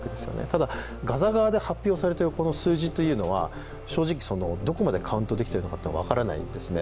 ただガザ側で発表されている数字というのは正直、どこまでカウントできてるか分からないですね。